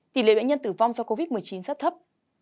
tỷ lệ bệnh nhân tử vong do covid một mươi chín rất thấp